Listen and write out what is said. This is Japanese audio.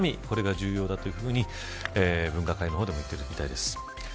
これが重要だというふうに分科会の方でも言っているみたいです。